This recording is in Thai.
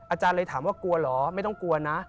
อาจารย์เลยถามว่ากลัวเหรอไม่ต้องกลัวนะ